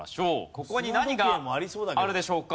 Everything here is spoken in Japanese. ここに何があるでしょうか？